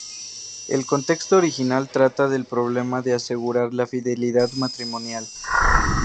El contexto original trata del problema de asegurar la fidelidad matrimonial.